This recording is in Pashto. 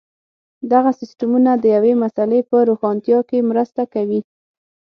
دغه سیسټمونه د یوې مسئلې په روښانتیا کې مرسته کوي.